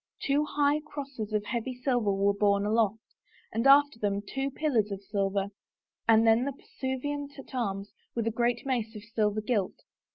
Two hij;h crosses of heavy silver were borne aloft, and after them two pillars of silver, and then the pursuivant at arms with a great mace of silver gilt.